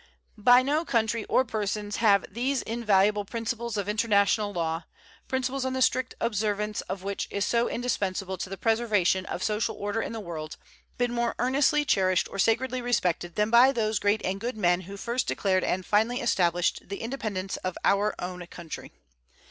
By no country or persons have these invaluable principles of international law principles the strict observance of which is so indispensable to the preservation of social order in the world been more earnestly cherished or sacredly respected than by those great and good men who first declared and finally established the independence of our own country.